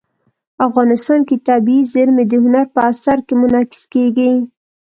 افغانستان کې طبیعي زیرمې د هنر په اثار کې منعکس کېږي.